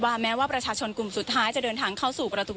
แม้ว่าประชาชนกลุ่มสุดท้ายจะเดินทางเข้าสู่ประตู